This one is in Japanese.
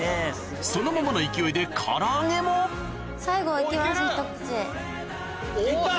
そのままの勢いでからあげも・行った！